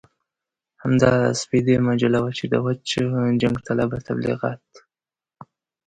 همدا سپېدې مجله وه چې د وچ جنګ طلبه تبليغات.